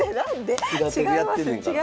平手でやってんねんから。